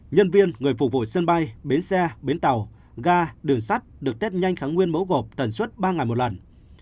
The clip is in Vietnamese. nhân viên người phục vụ sân bay bến xe bến tàu ga đường sắt được test nhanh kháng nguyên mẫu gộp tần suất ba ngày một lần